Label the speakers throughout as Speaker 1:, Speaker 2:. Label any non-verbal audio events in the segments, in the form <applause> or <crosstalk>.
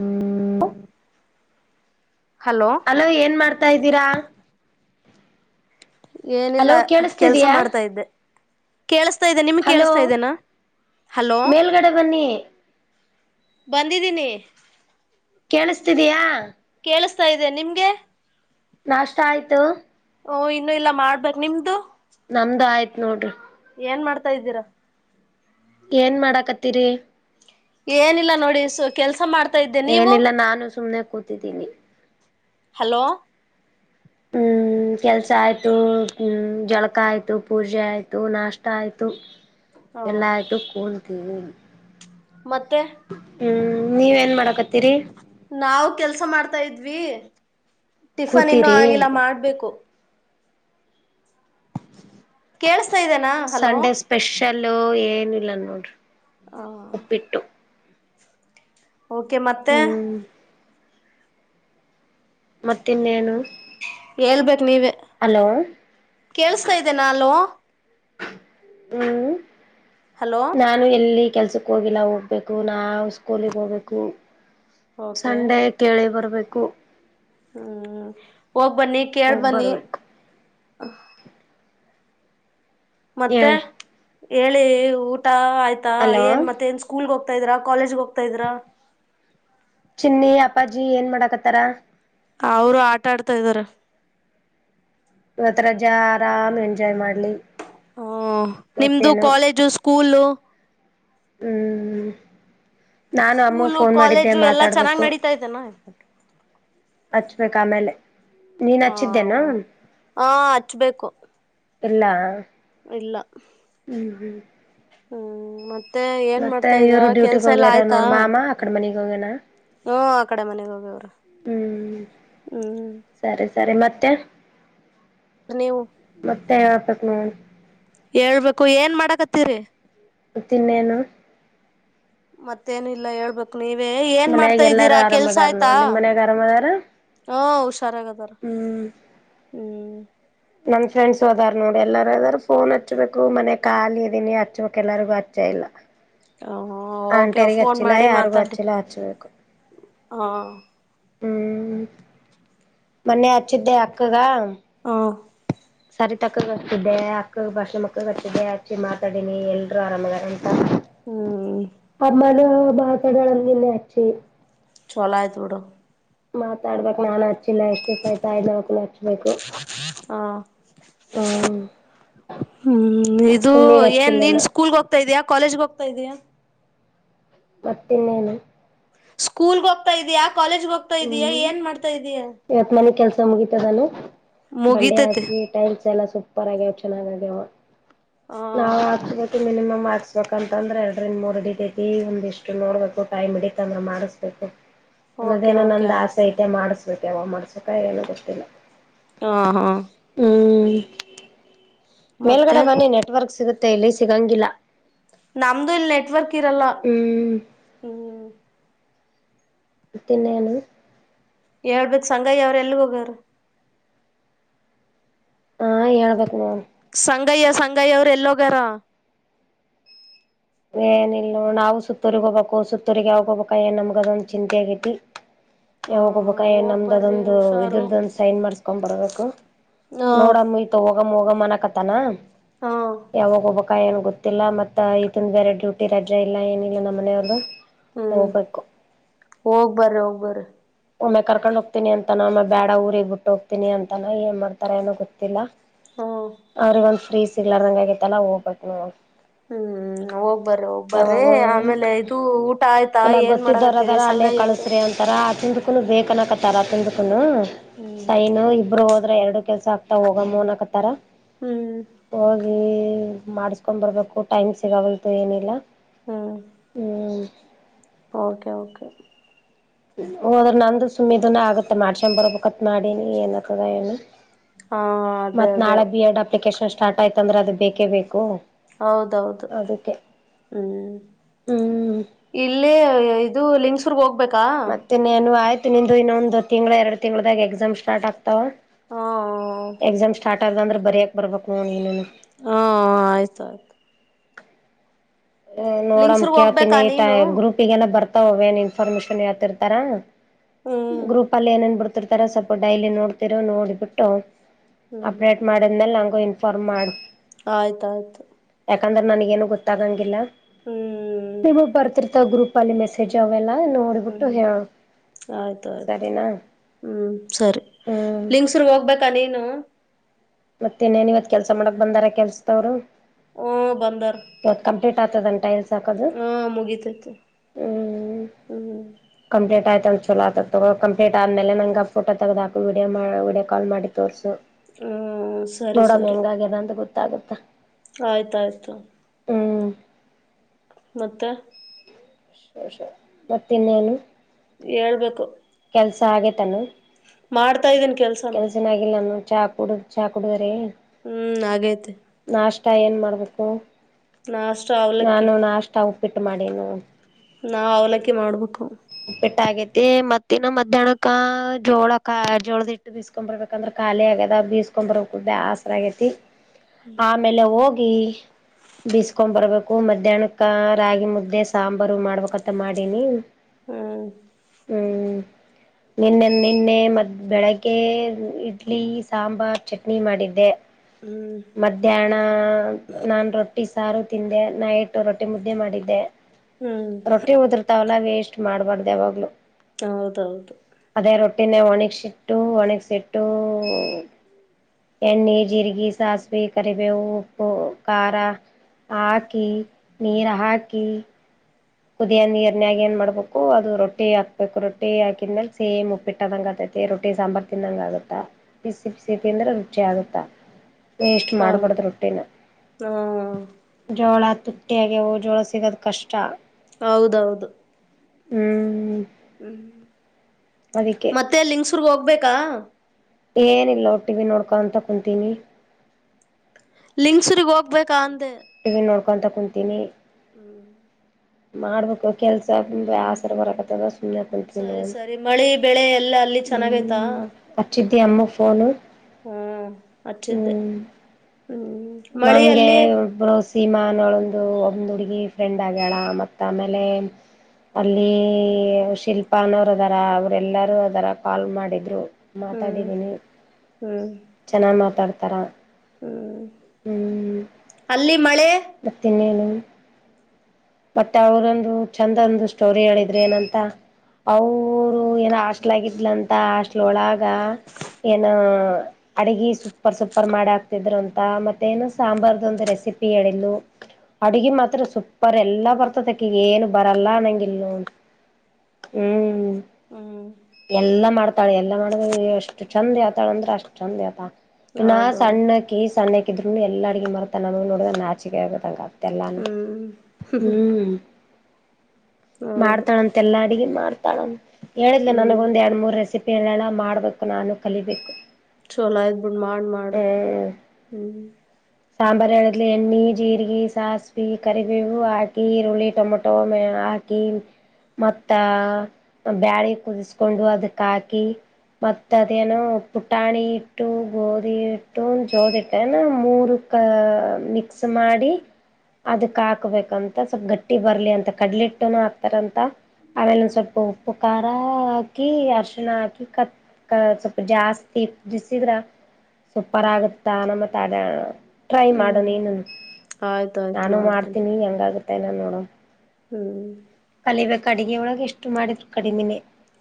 Speaker 1: ಹ್ಮ್
Speaker 2: hello
Speaker 1: hello ಏನ್ ಮಾಡ್ತಾ ಇದ್ದೀರಾ
Speaker 2: ಏನಿಲ್ಲ
Speaker 1: ಹಲೋ
Speaker 2: ಕೆಲ್ಸ
Speaker 1: ಕೇಳಿಸ್ತಿದಯಾ
Speaker 2: ಮಾಡ್ತಾ ಇದ್ದೆ ಕೇಳಿಸತಾ ಇದ್ದೇನೆ ನಿಮ್ಗೆ
Speaker 1: ಹಲೋ
Speaker 2: ಕೇಳಸ್ತಾ ಇದ್ದೇನಾ ಹಲೋ
Speaker 1: ಮೇಲ್ಗಡೆ ಬನ್ನಿ
Speaker 2: ಬಂದಿದ್ದೀನಿ
Speaker 1: ಕೇಳಿಸತಿದಯಾ
Speaker 2: ಕೇಳಿಸ್ತಾ ಇದೆ ನಿಮ್ಗೆ
Speaker 1: ನಾಷ್ಟ ಆಯ್ತು
Speaker 2: ಓ ಇನ್ನುೂ ಇಲ್ಲಾ ಮಾಡ್ಬರ ನಿಮ್ದು
Speaker 1: ನಮ್ದು ಆಯ್ತ್ ನೋಡ್ರಿ
Speaker 2: ಏನ್ ಮಾಡ್ತಾ ಇದ್ದೀರಾ
Speaker 1: ಏನ್ ಮಾಡಾಕತ್ತೀರಿ
Speaker 2: ಏನಿಲ್ಲ ನೋಡಿ ಕೆಲ್ಸ ಮಾಡ್ತ
Speaker 1: ಏನಿಲ್ಲ ನಾನು ಸುಮ್ನೆ ಕೂತಿದ್ದೀನಿ
Speaker 2: ಹಲೋ
Speaker 1: ಹ್ಮ ಕೆಲಸ ಆಯ್ತು ಹ ಜಳಕ ಆಯ್ತು ಪೂಜೆ ಆಯ್ತು ನಾಷ್ಟ ಆಯ್ತು
Speaker 2: ಹ
Speaker 1: ಎಲ್ಲಟು ಕೂಲ್ತೀ
Speaker 2: ಮತ್ತೆ
Speaker 1: ಹ್ಮ್ ನೀವ ಏನ್ ಮಾಡಕತ್ತ
Speaker 2: ನಾವ್ ಕೆಲ್ಸ ಮಾಡ್ತಾ ಇದ್ವಿ ಟಿಫನ್ ಇನ್ನುೂ
Speaker 1: ಕೂತೀರಿ
Speaker 2: ಆಗಿಲ್ಲ ಮಾಡ್ಬೇಕು ಕೇೇಳಸ್ತಾ ಇದ್ದೇನಾ ಹಲೋ
Speaker 1: ಚಲೋ ಏನಿಲ್ಲ ನೋಡ್ರಿ
Speaker 2: ಹ
Speaker 1: ಉಪ್ಪಿಟ್ಟು
Speaker 2: ಓಕೆ ಮತ್ತೆ
Speaker 1: ಹ್ಮ್ ಮತ್ತ ಇನ್ನೇನು
Speaker 2: ಹೇಳ್ಬೇಕ ನೀವ ಕೇಳ್ಸ್ತಾ ಇದ್ದೆ ನಾನು
Speaker 1: ಹ್ಮ್
Speaker 2: ಹಲೋ
Speaker 1: ನಾನು ಎಲ್ಲಿ ಕೆಲ್ಸಕ್ ಹೋಗಿಲ್ಲ ಹೋಗ್ಬೇಕು ನಾವು ಸ್ಕೂಲಿಗೆ ಹೋಗ್ಬೇಕು
Speaker 2: ಓಕೆ
Speaker 1: ಸಂಡೆ ಕೇಳಿ ಬರ್ ಬು
Speaker 2: ಹ್ಮ್ ಹೋಗ್ಬನ್ನಿ ಕೇಳ್
Speaker 1: ಹೋಗ್
Speaker 2: ಬನ್ನಿ
Speaker 1: ಬರ್ಬೇಕು
Speaker 2: ಮತ್ತೆ
Speaker 1: ಹೇಳಿ
Speaker 2: ಹೇಳಿ ಊಟ ಆಯ್ತಾ
Speaker 1: ಹಲೋ
Speaker 2: ಏನ್ ಮತ್ತೆ ಏನ್ ಸ್ಕೂಲ್ಗೆ ಹೋಗ ಹೋಗ್ತಾ ಇದ್ರಾ ಕಾಲೇಜ್ಗೆ ಹೋಗ್ತಾ ಇದ್ರಾ
Speaker 1: ಚಿನ್ನಿ ಅಪ್ಪಾಜಿ ಏನ್ ಮಾಡಾಕತ್ತಾರ
Speaker 2: ಅವರು ಆಟ ಆಡ್ತಾ ಇದ್ದಾರ
Speaker 1: ಆತ್ರಜಾ ಆರಾಮ್ ಎಂಜಾಯ್ ಮಾಡ್ಲಿ
Speaker 2: ಹ ನಿಮ್ದು
Speaker 1: ಮತ್ತೇನು
Speaker 2: ಕಾಲೇಜು ಸ್ಕೂಲು
Speaker 1: ಹ್ಮ್ ನಾನು ಅಮ್ಮ
Speaker 2: ಸ್ಕೂಲು
Speaker 1: ಫೋನ್ ಮಾಡಿದ್ದೆ
Speaker 2: ಕಾಲೇಜು ಎಲ್ಲಾ ಚೆನ್ನಾಗ್
Speaker 1: ಮಾತಾಡ್ಬೇಕು
Speaker 2: ನಡೀತಾ ಇದೆನಾ
Speaker 1: ಹಚ್ಬೇಕ ಆಮೇಲೆ ನೀನ್
Speaker 2: ಹ
Speaker 1: ಹಚ್ಚಿದ್ದೇನಾ
Speaker 2: ಹಾ ಹಚ್ಬೇಕು
Speaker 1: ಇಲ್ಲಾ
Speaker 2: ಇಲ್ಲ
Speaker 1: ಹ್ಮ್ ಹ್ಮ್
Speaker 2: ಹ್ಮ್ ಮತ್ತೆ ಏನ್
Speaker 1: ಮತ್ತೆ
Speaker 2: ಮಾಡ್ತಾ ಇದೀರಾ
Speaker 1: ಇವ್ರು ಡ್ಯೂಟಿಗ್
Speaker 2: ಕೆಲ್ಸ ಎಲ್ಲ
Speaker 1: ಹೋಗ್ಯಾರ
Speaker 2: ಆಯ್ತಾ
Speaker 1: ನೋಡ್ ಮಾಮ ಆ ಕಡೆ ಮನಿಗ್ ಹೋಗ್ಯನ
Speaker 2: ಹ್ಮ ಆ ಕಡೆ ಮನೆಗ್ ಹೋಗವ್ರ
Speaker 1: ಹ್ಮ್
Speaker 2: ಹ್ಮ್
Speaker 1: ಸರಿ ಸರಿ ಮತ್ತೆ
Speaker 2: ಹ ನೀವು
Speaker 1: ತ ಆಪ ಮ
Speaker 2: ಹೇಳ್ಬೇಕು ಏನ್ ಮಾಡಕತ್ತೀರಿ
Speaker 1: ತಿನ್ನೇನು
Speaker 2: ಮತ್ತೇನಿಲ್ಲ ಹೇಳ್ಬೇಕಕ್ ನೀವೇ ಏನ್
Speaker 1: ಮನ್ಯಾಗ
Speaker 2: ಮಾಡ್ತಾ
Speaker 1: ಎಲ್ಲಾರು
Speaker 2: ಇದ್ದೀರಾ ಕೆಲ್ಸ
Speaker 1: ಆರಾಮದಾರ
Speaker 2: ಆಯ್ತಾ
Speaker 1: ನೋಡ್ ನಿಮ್ ಮನ್ಯಾಗ ಆರಾಮದಾರ
Speaker 2: ಹಾ ಹುಷಾರಾಗದಾರ ಹ್ಮ್
Speaker 1: ನಮ ಫ್ರೆಂಡ್ಸ್ ಹೋದಾರ ನೋಡಿ ಎಲ್ಲಾರದರು ಫೋನ್ ಹಚ್ಬೇಕು ಮನೆ ಖಾಲ ಇದೀನಿ ಹಚ್ಬೇಕಕ್ ಎಲ್ಲರಿಗು ಹಚ್ಚ ಸಲ್ಲ
Speaker 2: ಓಕೆ
Speaker 1: ಆಂಟೆರಿಗ
Speaker 2: ಫೋನ್
Speaker 1: ಹಚ್ಚಿಲ್ಲ
Speaker 2: ಮಾಡಿ
Speaker 1: ಯಾರಿಗೂ
Speaker 2: ಮಾತಾಡಿ
Speaker 1: ಹಚ್ಚಿಲ್ಲ ಹಚ್ಬೇಕು
Speaker 2: ಹಾ
Speaker 1: ಹ್ಮ್ ಮನ್ನೆ ಹಚ್ಚಿದ್ದೆ ಅಕ್ಕಗ
Speaker 2: ಹಾ
Speaker 1: ಸರಿ ತಕ್ಕ ಹರ್ತಿದ್ದೆ ಅಕ್ಕ ಭಾಷಣೆ ಮಕ್ಕಗ್ ಹಚ್ಚತಿದ್ದೆ ಅಚ್ಚಿ ಮಾತಾಡಿನಿ ಎಲ್ರು ಆರಾಮಾರ
Speaker 2: ಹ್ಮ್
Speaker 1: ಅಮ್ಮಾನ ಬತಡಳ ನಿನ್ನೆ ಅಚ್ಚೇ
Speaker 2: ಚಛೋಲ ಆಯ್ತು ಬಿಡೋ
Speaker 1: ಮಾತಾಡ್ಬೇಕಕ್ ನಾನ್ ಹಚ್ಚಿಲ್ಲ ಎಷ್ಟು ಸಾಯತಾಯ್ದಕ್ಕೂ ಹಚ್ಬೇಕು
Speaker 2: ಹಾ
Speaker 1: ಹ್ಮ್
Speaker 2: ಹ್ಮ್ ಇದು
Speaker 1: ಸುಮ್ಮಿಗೆ
Speaker 2: ಏನ್
Speaker 1: ಹಚ್ಚಿಲ್ಲೇನ
Speaker 2: ನೀನ್ ಸ್ಕೂಲ್ಗೆ ಹೋಗ್ತಾ ಇದ್ಯಾಾ ಕಾಲೇಜ್ಗೆ ಹೋಗ್ತಾ ಇದಯಾ
Speaker 1: ಮತ್ತಿನೇನು
Speaker 2: ಸ್ಕೂಲ್ಗ ಹೋಗ್ತಾ ಇದಯಾ ಕಾಲೇಜ್ಗ ಹೋಗ್ತಾ ಇದೀಯಾ ಏನ್ ಮಾಡ್ತಾ ಇದೀಯಾ
Speaker 1: ಮುಗತದಾನ ಬಂಡೆ
Speaker 2: ಮುಗಿತೈತೆ
Speaker 1: ಹಾಸಿಗೆ ಟೈಲ್ಸ್ ಎಲ್ಲ ಸುತ್ ಪರಗೆ ಯಾವ ಚೆನ್ನಾಗಗ್ಯಾವ
Speaker 2: ಹಾ
Speaker 1: ನಾ ಮಿನಿಮಮ್ ಆಕ್ಸ್ಬೇಕಂತ ಅಂದ್ರೆ ಎರಡರಿದ ಮೂರ್ಡ ಐತಿ ಒಂದಿಷ್ಟು ನೋಡ್ಬೇಕು ಟೈಮ್ ಹಿಡ ತಂದ ಮಾಡಿಸ್ಬೇಕು
Speaker 2: ಹೌದು
Speaker 1: ಅದೇನೋ ನಂದ ಆಸೆ ಐತೆ ಮಾಡ್ಸ್ಬೇಕವ ಮಾಡ್ಸಕ ಏನ ಗೊತ್ತಿಲ್ಲ
Speaker 2: ಹಾ ಹಾ
Speaker 1: ಹ್ಮ್
Speaker 2: ಮತ್ತೆ
Speaker 1: ಮೇಲ್ಗಡೆ ಬನ್ನಿ ನೆಟ್ವರ್ಕ್ ಸಿಗುತ್ತೆ ಇಲ್ಲಿ ಸಿಗಂಗಿಲ್ಲ
Speaker 2: ನಮ್ದು ಇಲ್ ನೆಟ್ವರ್ಕ್ ಇರಲ್ಲ
Speaker 1: ಹ್ಮ್
Speaker 2: ಹ್ಮ್
Speaker 1: ಮತ್ತಿನ್ನೇನು
Speaker 2: ಹೇಳ್ಬೇಕು ಸಂಗಯಿ ಅವರು ಎಲ್ ಹೋಗ್ಯರು
Speaker 1: ಹಾ ಹೇಳ್ಬೇಕು ನೀವ್
Speaker 2: ಸಂಗಯ್ಯ ಸಂಗಯ್ಯ ಅವ್ರ ಎಲ್ಲೋಗಾರ
Speaker 1: ಏನ ಇಲ್ ನಾವು ಸುತ್ತೂರಿಗ ಹೋಗಬೇಕು ಸುತ್ತೂರಿಗೆ ಅವಾವಾಗ ಹೋಗಬೇಕ ಏನ್ ನಮ್ಗ ಅದೊಂದು ಚಿಂತೆ ಆಗೈತಿ.
Speaker 2: ಹ
Speaker 1: ಯಾವಾಗ ಹೋಗ್ಬೇಕ ಏನ
Speaker 2: ಹೋಗ್
Speaker 1: ನಮ್ದ
Speaker 2: ಬರ್ರಿ
Speaker 1: ಅದೊಂದು
Speaker 2: ಹುಷಾರು
Speaker 1: ಇದ್ರದೊಂದು ಸೈನ್ ಮಾಡಸ್ಕೊಂಡ್ ಬರ್ಬೇಕು.
Speaker 2: ಹ
Speaker 1: ನೋಡಮ್ ತೊಗೊ ಹೋಗಮ್ ಹೋಗಮ್ ಅನಕತಾನ
Speaker 2: ಹ
Speaker 1: <unintelligible> ಯಾವಾಗ್ ಹೋಗಬೇಕನ ಗೊತ್ತಿಲ್ಲ ಮತ್ತ ತಂದು ಬೇರೆ ಡ್ಯೂಟಿ ರಜೆ ಇಲ್ಲ ಏನಿಲ್ಲ ನಮ್ಮನೆಯವ್ರ್ದ
Speaker 2: ಹ್ಮ್
Speaker 1: ಹೋಗ್ಬೇಕು
Speaker 2: ಹೋಗ್ ಬರ್ರಿ ಹೋಗ್ಬರ್ರೀ
Speaker 1: ಒಮ್ಮೆ ಕರ್ಕೊಂಡ್ ಹೋಗ್ತೀನಿ ಅಂತಾನ ಒಮ್ಮೆ ಬ್ಯಾಡ ಊರಿಗ್ ಬಿಟ್ಟು ಹೋಗ್ತಿನಿ ಅಂತಾನ ಏನ್ ಮಾಡ್ತಾರ ಏನೋ ಗೊತ್ತಿಲ್ಲ
Speaker 2: ಹ್ಮ್
Speaker 1: ಅವ್ರಿಗ್ ಒಂದ್ ಫ್ರೀ ಸಿಗ್ಲಾರುದಂಗ ಆಗೇತಲ್ಲ ಹೋಗ್ಬೇಕಕ್ ನ
Speaker 2: ಹ್ಮ್ ಹೋಗ್ಬರ್ರಿ ಹೋಗ್ಬರ್ರಿ
Speaker 1: ಯಾವಾಗ
Speaker 2: ಆಮೇಲೆ ಇದು ಊಟ ಆಯ್ತಾ ಏನ್ ಮಾಡಕತ್ತೀರಿ ಸಂಗಯ್ಯ ಅವರು
Speaker 1: ರಾ ತಂದುಕ ಬೇಕನಕತ್ತರ ಅತಂದಕನು
Speaker 2: ಹ್ಮ್
Speaker 1: ಸೈನು ಇಬ್ರು ಅ್ರ ಎರಡು ಕೆಲ್ಸ ಆಗ್ತವ್ ಹೋಗಮು ಅನಕತರ.
Speaker 2: ಹ್ಮ್
Speaker 1: ಏ ಮಾಡಸ್ಕೊಂಡ್ ಬರ್ಬೇಕು ಟೈಮ್ ಸಿಗಾವಲ್ತು ಏನಿಲ್ಲ
Speaker 2: ಹ್ಮ್
Speaker 1: ಹ್ಮ್
Speaker 2: ಓಕೆ ಓಕೆ
Speaker 1: ಹೋದ್ರ ನಂದು ಸುಮ್ಮಿದುನ ಆಗತ್ ಮ್ಯಾಡಿಸ್ಗ್ಯಾಂಡ್ ಬರ್ಬೆಕ್ ಅಂತ ಮಾಡಿನಿ ಏನಾತದ ಏನು
Speaker 2: ಹಾ ಅದೇ
Speaker 1: ಮತ್ತ್
Speaker 2: ಅದೇ
Speaker 1: ನಾಳೆ ಬಿ ಎಡ್ ಅಪ್ಲಿಕೇಶನ್ ಸ್ಟಾರ್ಟ್ ಆಯ್ತಂದ್ರ ಅದು ಬೇಕೇ ಬೇಕು
Speaker 2: ಹೌದೌದು
Speaker 1: ಅದಕ್ಕೆ
Speaker 2: ಹ್ಮ್ <unintelligible>
Speaker 1: ಹ್ಮ್
Speaker 2: ಇಲ್ಲಿ ಈ ಇದು ಲಿಂಗ್ಸೂರ್ಗೆ ಹೋಗಬೇಕು.
Speaker 1: ಮತ್ತೆ ಇನ್ನೇನು ಆಯ್ತು ನಿಂದು ಇನ್ನೊಂದು ತಿಂಗಳ ಎರಡು ತಿಂಗಳದಾಗ ಎಕ್ಸಾಮ್ ಸ್ಟಾರ್ಟ್ ಆಗ್ ಅವಾ
Speaker 2: ಹಾ
Speaker 1: <unintelligible> ಎಕ್ಸಾಮ್ ಸ್ಟಾರ್ಟ್ ಆದದ ಅಂದ್ರೆ ಬರ್ಯಾಕ್ ಬರ್ಬಕ್ ನೋಡ್ ನೀನು
Speaker 2: ಹಾ ಆಯ್ತ ಆಯ್ತು.
Speaker 1: ನೋಡಮ್
Speaker 2: ಲಿಂಗ್ಸೂರ್ಗ್
Speaker 1: ಕೇಳ್ತಿನಿ
Speaker 2: ಹೋಗ್ಬೇಕಾ
Speaker 1: ಈಟ
Speaker 2: ನೀನು?
Speaker 1: ಗ್ರೂಪ್ಗೆಲ್ಲ ಬರ್ತಾವ ಅವ ನ್ ಇನ್ಫಾರ್ಮೇಶನ್ ಹೇಳ್ತಿರತರ
Speaker 2: ಹ್ಮ್
Speaker 1: ಗ್ರೂಪ್ ಅಲ್ಲಿ ಏನೇನ್ ಬಿಡ್ತಿರ್ತಾರ ಸ್ವಲ್ಪ ಡೈಲಿ ನೋಡ್ತಿರು ನೋಡ್ಬಿಟ್ಟು
Speaker 2: ಹ್ಮ್
Speaker 1: ಅಪ್ಡೇಟ್ ಮಾಡಿದ್ಮೇಲೆ ನಂಗು ಇನ್ಫಾರ್ಮ್ ಮಾಡ್
Speaker 2: ಆಯ್ತಾಯ್ತು
Speaker 1: ಯಾಕಂದ್ರ ನನಗ ಏನು ಗೊತ್ತಾಗಂಗಿಲ್ಲ <unintelligible>
Speaker 2: ಹ್ಮ್
Speaker 1: ನಿಮಗ್ ಬರ್ತಿರ್ತಾವ ಗ್ರೂಪ್ ಅಲ್ಲಿ ಮೆಸೇಜ್ ಅವೆಲ್ಲ ನೋಡ್ಬಿಟ್ಟು ಹೇಳ್
Speaker 2: ಆಯ್ತು ಆಯ್ತು ಹ್ಮ್ ಸರಿ
Speaker 1: ಹ್ಮ್
Speaker 2: ಲಿಂಗ್ಸೂರ್ಗೆ ಹೋಗ್ಬೇಕಾ ನೀನು
Speaker 1: ಮತ್ತೆ ಇನ್ನೇನ್ ಇವತ್ ಕೆಲ್ಸ ಮಾಡಕ್ ಬಂದಾರ ಕೆಲಸದವ್ರು.
Speaker 2: ಓ ಬಂದರ್.
Speaker 1: ಟೆಟ್ ಆಗ್ತದೆನ್ ಟೈಲ್ಸ್ ಹಾಕದು
Speaker 2: ಮುಗಿತೈತಿ
Speaker 1: ಹ್ಮ್
Speaker 2: ಹ್ಮ್
Speaker 1: ಕಂಪ್ಲೀಟ್ ಆಯ್ತ ಅಂದ ಚಲೋ ಆ ತಗೋ ಕಂಪ್ಲೀಟ್ ಆದ್ಮೇಲೆ ನಂಗೆ ಫೋಟೋ ತಗ್ದು ಹಾಕ್ ವಿಡಿಯೋ ವಿಡಿಯೋ ಕಾಲ್ ಮಾಡ್ ತೋರ್ಸು
Speaker 2: ಹ್ಮ್
Speaker 1: <unintelligible>
Speaker 2: ಸರಿ
Speaker 1: ನೋಡಮ್
Speaker 2: ಸರಿ
Speaker 1: ಹೆಂಗಗ್ಯದ ಅಂತ ಗೊತ್ತಾಗುತ್ತ
Speaker 2: ಆಯ್ತಾಯ್ತು
Speaker 1: ಹ್ಮ್
Speaker 2: ಮತ್ತ
Speaker 1: ಮತ್ತಿನ್ನೇನು
Speaker 2: ಹೇಳ್ಬೇಕು
Speaker 1: ಕೆಲ್ಸ ಆಗೇತೇನು
Speaker 2: ಮಾಡ್ತಾ ಇದ್ದೀನ್ ಕೆಲ್ಸನ
Speaker 1: ಚಾಕೂಡು ಚಾಕೂಡುದಿರಿ
Speaker 2: ಹ್ಮ್ ಆಗೈತೆ
Speaker 1: ಊಟ ಏನ್ ಮಾಡ್ಬೇಕು
Speaker 2: ನಾಷ್ಟ ಅವಲಕ್ಕಿ.
Speaker 1: ಬಿಟ್ಟು ಮಾಡಿ ನ
Speaker 2: ನಾವ ಅವ್ಲಕ್ಕಿ ಮಾಡ್ಬೇಕು
Speaker 1: ಬಿಟ್ಟ ಆಗೇತಿ ಮತ್ತನ್ನ ಮಧ್ಯಾಹ್ಕ್ಕ ಜೋಳಕ ಜೋಳದಿಟ್ಟು ಬಿಸಕೊಂಡ್ ಬರ್ಬೇಕಂದ್ರ ಖಾಲಿ ಆಗ್ಯದ ಬೀಸ್ಕೊಂಡ್ ಬರ ಬ ಆಸರ ಆಗೈತಿ ಆಮೇಲೆ ಹೋಗಿ ಬಿಸಕೊಂಡ್ ಬರ್ಬೇಕು ಮಧ್ಯಾಹ್ನಕ್ಕ ರಾಗಿ ಮುದ್ದೆ ಸಾಂಬಾರು ಮಾಡ್ಬೇಕತ್ತ ಮಾಡಿನಿ
Speaker 2: ಹ್ಮ್
Speaker 1: ಹ್ಮ್ ನಿನ್ನೆ ನಿನ್ನೆ ಮದ್ ಬೆಳಗ್ಗೆ ಇಡ್ಲಿ ಸಾಂಬಾರ್ ಚಟ್ನಿ ಮಾಡಿದ್ದೆ
Speaker 2: ಹ್ಮ್
Speaker 1: ಮಧ್ಯಾಹ್ನ ನಾನ್ರೊಟ್ಟಿ ಸಾರು ತಿಂದೆ ನ ಇಟ್ಟು ರೊಟ್ಟಿ ಮುದ್ದೆ ಮಾಡಿದ್ದೆ
Speaker 2: ಹ್ಮ್
Speaker 1: ಲ್ಲ ವೇಸ್ಟ್ ಮಾಡ್ಬಾರ್ದ ಯಾವಾಗ್ಲು
Speaker 2: ಹೌದೌದು
Speaker 1: ಅದೇ ರೊಟ್ಟಿನೇ ಒಣ ಎಟ್ಟು ಒಣಕ್ ಸೆಟ್ಟು ಎನ್ ಜ್ ಇಗಿ ಸಸ್ವ ಕರಿಬೇ ಉಪ್ಪು ಖಾರ ಹಾಕಿ ನೀರು ಹಾಕಿ ಕುದಿಯ ನೀರ್ನಯಾಗ ಏನ್ ಮಾಡ್ಬೇಕು ಅದು ರೊಟ್ಟಿ ಹಾಕ್ಬೇಕು ರೊಟ್ಟಿ ಹಾಕಿದ್ಮೇಲೆ ಸೇಮ್ ಉಪ್ಪಿಟ್ಟದಂಗ ಅತೈತಿ ರೊಟ್ಟಿ ಸಾಂಬಾರ್ ತಿನ್ನಂಗ ಆಗುತ್ತಾ ಬಿಸಿ ಬಿಸಿ ತಿಂದ್ರೆ ರುಚಿ ಆಗುತ್ತಾ ಎಷ್ಟ್
Speaker 2: ಹೌದು
Speaker 1: ಮಾಡ್ಬಡ್ದ ರೊಟ್ಟಿನ
Speaker 2: ಹಾ
Speaker 1: ಜೋಳ ತುಟ್ಟಿಯಾಗ ಜೋಳ ಸಿಗದ್ ಕಷ್ಟ
Speaker 2: ಹೌದೌದು
Speaker 1: ಹ್ಮ್
Speaker 2: ಹ್ಮ್
Speaker 1: ಅದಕ್ಕೆ
Speaker 2: ಮತ್ತೆ ಲಂಗಸೂರ್ಗ್ ಹೋಗ್ಬೇಕಾ
Speaker 1: ಏನಿಲ್ಲ ಒಟ್ಟಿವ ನೋಡ್ಕೊ ಅಂತ ಕುಂತೀನಿ
Speaker 2: ಲಿಂಗಸುರ್ಗ್ ಹೋಗ್ಬೇಕಾ ಅಂತ
Speaker 1: ಟಿವಿ ನೋಡ್ಕೊಂತ ಕುಂತೀನಿ
Speaker 2: ಹ್ಮ್
Speaker 1: ಮಾಡ್ಬೇಕು ಕೆಲ್ಸ ಆಸರ್ ಬರಕತ್ತದ ಚಂತ ನೋ
Speaker 2: ಸರಿ ಸರಿ ಮಳಿ ಬೆಳೆ ಎಲ್ಲ ಅಲ್ಲಿ ಚೆನ್ನಾಗೈತಾ
Speaker 1: ಹ್ಮ್ ಅಚ್ಚಿದ್ದೀ ಅಮ್ಮ ಫೋನು
Speaker 2: ಹ್ಮ ಹಚ್ಚ್ದೆ
Speaker 1: ಹ್ಮ್
Speaker 2: ಹ್ಮ್ ಮಳಿ
Speaker 1: ನಂಗೆ
Speaker 2: ಅಲ್ಲಿ
Speaker 1: ಒಬ್ಬಳ ಸೀಮಾ ಅನ್ನೋಳೊಂದು ಒಂದು ಹುಡುಗಿ ಫ್ರೆಂಡ್ ಆಗ್ಯೇಳ ಮತ್ತುತ್ತ ಆಮೇಲೆ ಅಲ್ಲಿ ಶಿಲ್ಪಾಾನೋರ ಅದಾರ ಅವ್ರ ಎಲ್ಲಾರೂ ಅದಾರ ಕಾಲ್ ಮಾಡಿದ್ರು
Speaker 2: ಹ್ಮ್
Speaker 1: ಮಾತಾಡಿದೀನಿ
Speaker 2: ಹ್ಮ್
Speaker 1: ಚೆನ್ನಾಗಿ ಮಾತಾಡ್ತಾರ
Speaker 2: ಹ್ಮ್ ಅಲ್ಲಿ ಮಳೆ
Speaker 1: ಹತ್ತಿನೇಳೇಳು ಮತ್ತೆ ಅವ್ರೊಂದು ಚಂದ ಒಂದು ಸ್ಟೋರಿ ಹೇಳಿದ್ರ ಏನಂತ ಅವರು ಏನ ಹಾಸ್ಟ್ಲ್ ಆಗಿದ್ಲಂತ ಹಾಸ್ಟ್ಲ್ ಒಳಗ ಏನ ಅಡಗ ಸೂಪರ್ ಸೂಪರ್ ಮಾಡಿ ಹಾಕ್ತಿದ್ರು ಅಂತ ಮತ್ತೆ ಏನ ಸಾಂಬಾರ್ದ ಒಂದು ರೆಸಿಪ ಸಿಪಿ ಎಳಲು ಅಡುಗೆ ಮಾತ್ರ ಸ ಬರ್ ಎಲ್ಲಾ ಬರ್ತದ ಅಕ್ಕಗ ಏನು ಬರಲ್ಲ ಅನ್ನಂಗಿಲ್ ಹ್ಮ್
Speaker 2: ಹ್ಮ್
Speaker 1: ಎಲ್ಲ ಮಾಡ್ತಾಳೆ ಎಲ್ಲ ಮಾಡಿದ್ರೆ ಎಷ್ಟು ಚಂದ ಆತಾಳ ಅಂದ್ರೆ ಅಷ್ಟ್ ಚಂದ ಆತ ಇ ನಾ
Speaker 2: ಹೌದೌದು
Speaker 1: ಸಣ್ಣಕಿ ಸಣ್ಣಕ್ಕ ಇದ್ರು ಎಲ್ಲಾ ಅಡಿಗೆ ಮರೆತ ನಾನ ನೋಡ ಆಚಿಕೆಗ ತಂಗ
Speaker 2: ಹ್ಮ್
Speaker 1: ಹ್ಮ್
Speaker 2: ಹೌದು
Speaker 1: ಮಾಡ್ತಾಳಂತೆ ಎಲ್ಲಾ ಅಡಗ ಮಾಡ್ತಾಳ ಹೇಳಿದ್ಲ ನನಗ
Speaker 2: ಹ್ಮ್
Speaker 1: ಒಂದ್ ಎರಡ್ ಮೂರ್ ರೆಸಿಪಿ ಪ್ರೇಳಣ ಮಾಡಬೇಕು ನಾನು ಕಲಿಬೇಕು
Speaker 2: ಚೊಲೋ ಆಯತ್ಬಿಟ್ ಮಾಡ ಮಾಡು ಹ್ಮ್
Speaker 1: ಸಾಂಬಾರ ಹೇಳದ್ಲಿ ಎಣ್ಣೆ ಜೀರಿಗೆ ಸಾಸಿವ ಕರಿ ಬೇವು ಹಾಕಿ ಇ ರರುಲಿ ಟೊಮಾಟೋ ಮ ಹಾಕಿ ಮತ್ತ ಬ್ಯಾಳೆ ಕುದಿಸ್ಕೊಂಡು ಅದಕ್ ಹಾಕಿ ಮತ್ತ ಅದೇನೋ ಪುಟಾಣಿ ಇಟ್ಟು ಗೋಧಿ ಇಟ್ಟು ಜೋದ ಇಟ್ಟ ಏನ ಮೂರು ಮಿಕ್ಸ್ ಮಾಡಿ ಅದ ಹಾ ಹಾಕ್ಬೇಕಂತ ಸ್ವಲ್ಪ್ ಗಟ್ಟಿ ಬರ್ಲಿ ಅಂತ ಕಡ್ಲೆಟ್ಟುನು ಹಾಕ್ತರಂತ. ಅದ್ರಲ್ ಸ್ವಲ್ಪ ಉಪ್ಪು ಖಾರ ಹಾಕಿ ಅರ್ಶಿಣ ಹಾಕಿ ಕತ್ ಸ್ವಲ್ಪ ಜಾಸ್ತಿ ಬಿಸಿದ್ರ ಸೂಪರ್ ಆಗುತ್ತ ನಮ್ಮ <unintelligible> ಟ್ರೈ ಮಾಡೋ
Speaker 2: ಹ್ಮ್
Speaker 1: ನೀನುನು
Speaker 2: ಆಯ್ತಾಯ್ತು
Speaker 1: ನಾನು ಮಾಡ್ತ
Speaker 2: ಮಾಡ್ತೀನಿ
Speaker 1: ಹೆಂಗ ಆಗುತ್ತೆನ ನೋಡನ್.
Speaker 2: ಹ್ಮ್
Speaker 1: ಇವಾಗ್ ಕಡ್ಗಿ ಒಳಗ್ ಎಷ್ಟು ಮಾಡಿದ್ರು ಕಡಿಮೆನೆ.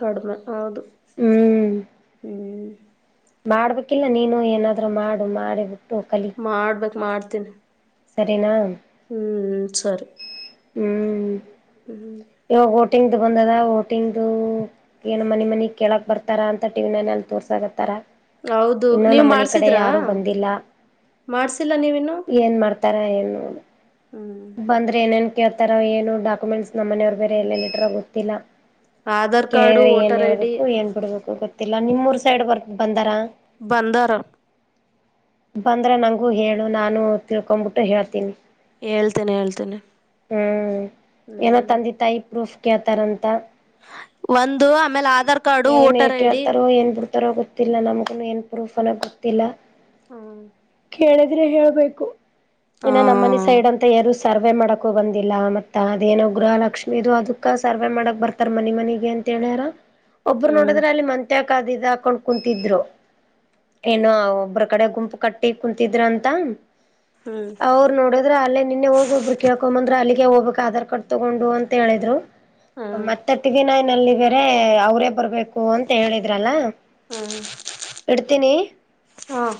Speaker 2: ಕಡ್ಮ್ನೆ ಹೌದು ಹ್ಮ್
Speaker 1: ಮಾಡ್ಬೇಕಿಲ್ಲ ನೀನು ಏನಾದ್ರೂ ಮಾಡು ಮಾ
Speaker 2: ಮಾಡ್ಬೇಕ್ ಮಾಡ್ತೀನಿ.
Speaker 1: ಸರಿನಾ.
Speaker 2: ಹ್ಮ್ ಸರಿ.
Speaker 1: ಹ್ಮ್
Speaker 2: ಹ್ಮ್
Speaker 1: ಓಟಿಂಗ್ದು ಬಂದದ ಓಟಿಂಗ್ದು ಏನು ಮನಿ ಮನಿ ಕೇಳಕ್ ಬರ್ತಾರಾ ಅಂತ ಟಿವಿ ನೈನಲ್ಲಿ ತೋರ್ಸಕತ್ತಾರ.
Speaker 2: ಹೌದು
Speaker 1: ಇನ್ನುೂ
Speaker 2: ನೀವ್
Speaker 1: ನಮ್ಮನೆ ಕಡೆ
Speaker 2: ಮಾಡ್ಸಿದ್ರಾ
Speaker 1: ಯಾರು ಬಂದಿಲ್ಲ.
Speaker 2: ಮಾಡ್ಸಿಲ್ಲ ನೀವಿನ್ನು
Speaker 1: ಏನ್ ಮಾಡ್ತಾರ ಏನೊ
Speaker 2: ಹ್ಮ್
Speaker 1: ಬಂದ್ರೆ ಏನೇನ್ ಕೇಳ್ತಾರ ಏನು ಡಾಕ್ಯುಮೆಂಟ್ಸ್ ನಮ್ಮನೆ ಯವ್ರ್ ಬೇರೆ ಎಲ್ಲಲ್ಲಿ ಇಟ್ರೊ ಗೊತ್ತಿಲ್ಲ.
Speaker 2: ಆಧಾರ್ ಕಾರ್ಡು
Speaker 1: ಕೇಳಿದ್ರೆ ಏನ್
Speaker 2: ವೋಟರ್ ಐ ಡಿ
Speaker 1: ಹೇಳ್ಬೇಕು ಏನ್ ಬಿಡ್ಬೇಕು ಗೊತ್ತಿಲ್ಲ ನಿಮ್ಮೂರ್ ಸೈಡ್ ಬರ್ ಬಂದಾರಾ.
Speaker 2: ಬಂದರ.
Speaker 1: ಬಂದ್ರೆ ನಂಗೂ ಹೇಳು ನಾನು ತಿಳ್ಕೊಬಿಟ್ಟು ಹೇಳ್ತೀನಿ
Speaker 2: ಹೇಳ್ತೇನೆ ಹೇಳ್ತೇನೆ
Speaker 1: ಹ್ಮ್ ಏನೋ
Speaker 2: ಹ್ಮ್
Speaker 1: ತಂದಿ ಐ ಪ್ರೂಫ್ ಕೇಳ್ತಾರಂತ.
Speaker 2: ಒಂದು ಆಮೇಲ್ ಆಧಾರ್ ಕಾರ್ಡು ವೋಟರ್ ಐಡಿ.
Speaker 1: -ತರೊ ಗೊತ್ತಿಲ್ಲ ನಮ್ಗುನು ಏನ್ ಪ್ರೂಫ್ ಅನ್ನೋದ್ ಗೊತ್ತಿಲ್ಲ.
Speaker 2: ಹ್ಮ
Speaker 1: ಕೇಳಿದ್ರೆ ಹೇಳ್ಬೇಕು ಏನ ನಮ್ಮನ
Speaker 2: ಹ್ಮ್
Speaker 1: ಸೈಡ್ ಅಂತ ಯಾರೂ ಸರ್ವೆ ಮಾಡಕ್ಕೂ ಬಂದಿಲ್ಲ ಮತ್ತ ಅದೇನು ಗೃಹಲಕ್ಷ್ಮ ಇದು ಅದಕ್ಕ ಸರ್ವೆ ಮಾಡಕ್ ಬರ್ತಾರ್ ಮನಿ ಮನಿಗೆ ಅಂತ ಹೇಳ್ಯಾರ ಒಬ್ರು
Speaker 2: ಹ್ಮ್
Speaker 1: ನೋಡಿದ್ರೆ ಅಲ್ಲಿ ಮತ್ ಆ ಕಾದಿದಕೊಂಡ್ ಕುಂತಿದ್ರು. ಏನು ಒಬ್ರ ಕಡೆ ಗುಂಪು ಕಟ್ಟಿ ಕುಂತಿದ್ರ ಅಂತ.
Speaker 2: ಹ್ಮ್
Speaker 1: ಅವ್ರು ನೋಡಿದ್ರ ಅಲ್ಲೇ ನಿನ್ನೆ ಹೋಗ ಒಬ್ಬರು ಕೇಳ್ಕೊಂಬಂದ್ರೆ ಅಲ್ಲಿಗೆ ಹೋಗ್ಬೇಕಕ್ ಆಧಾರ್ ಕಾರ್ಡ್ ತಗೊಂಡು ಅಂ ಹೇಳಿದ್ರು
Speaker 2: ಹ್ಮ್
Speaker 1: ಮತ್ <unintelligible> ನಲ್ಲಿ ಬೇರೆ ಅವ್ರೆ ಬರ್ಬೇಕು ಅಂತ ಹೇಳಿದ್ರಲ್ಲ.
Speaker 2: ಹ್ಮ್
Speaker 1: ಇಡ್ತಿನಿ
Speaker 2: ಹಾ